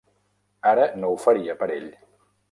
Ara no ho faria per ell.